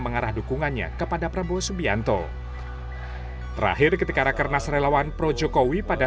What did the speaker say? mengarah dukungannya kepada prabowo subianto terakhir ketika raker nasrelawan pro jokowi pada